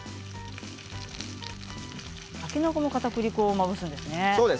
たけのこにもかたくり粉をまぶすんですね。